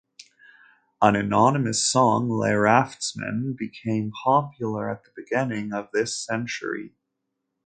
An anonymous song, "Les Raftsmen", became popular at the beginning of this century.